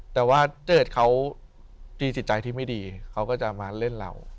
แต่ว่าเจิดเขามีจิตใจที่ไม่ดีเขาก็จะมาเล่นเรา